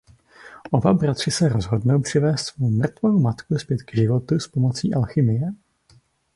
Oba bratři se rozhodnou přivést svou mrtvou matku zpět k životu s pomocí alchymie.